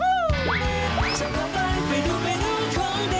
รู้แล้วบอกต่อ